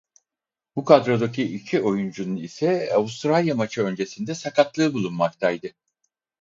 Bu kadrodaki iki oyuncunun ise Avustralya maçı öncesinde sakatlığı bulunmaktaydı.